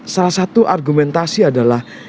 salah satu argumentasi adalah